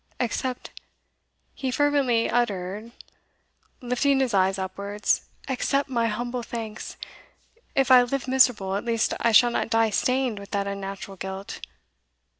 Accept," he fervently uttered, lifting his eyes upwards, "accept my humble thanks! If I live miserable, at least I shall not die stained with that unnatural guilt!